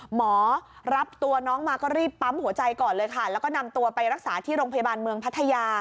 หมอรับตัวน้องมาก็รีบปั๊มหัวใจก่อนเลยค่ะแล้วก็นำตัวไปรักษาที่โรงพยาบาลเมืองพัทยา